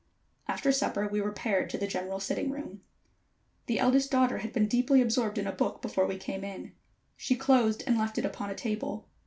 After supper we repaired to the general sitting room. The eldest daughter had been deeply absorbed in a book before we came in. She closed and left it upon a table.